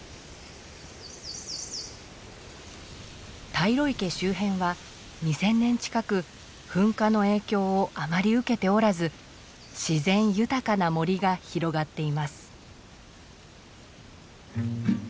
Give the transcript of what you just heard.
大路池周辺は２，０００年近く噴火の影響をあまり受けておらず自然豊かな森が広がっています。